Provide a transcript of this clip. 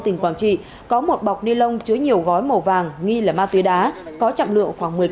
tỉnh quảng trị có một bọc nilon chứa nhiều gói màu vàng nghi là ma tuy đá có chậm lượng khoảng